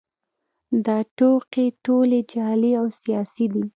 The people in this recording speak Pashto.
دا ټوکې ټولې جعلي او سیاسي دي